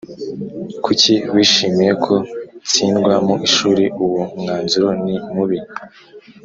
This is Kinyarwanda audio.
Kuki wishimiye ko ntsindwa mu ishuri uwo mwanzuro ni mubi